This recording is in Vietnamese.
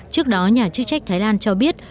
trước đó nhà chức trách thái lan cho biết